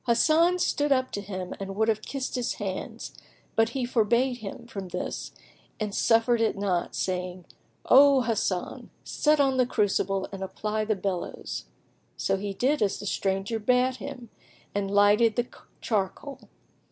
Hasan stood up to him and would have kissed his hands; but he forbade him from this and suffered it not, saying, "O Hasan, set on the crucible and apply the bellows."[FN#12] So he did as the stranger bade him and lighted the charcoal.